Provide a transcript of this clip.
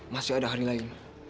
masih ada hari lain